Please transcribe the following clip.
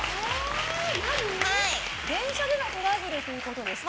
電車でのトラブルということですか？